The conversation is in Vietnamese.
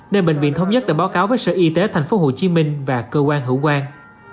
nên bệnh viện thống nhất đã báo cáo với sở y tế tp hcm và cơ quan hữu quan